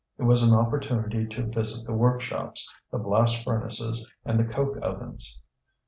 It was an opportunity to visit the workshops, the blast furnaces, and the coke ovens.